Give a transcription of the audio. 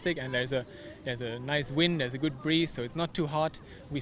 tapi itu bergantung